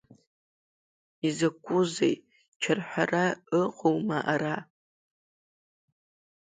Изакәызеи, чарҳәара ыҟоума ара?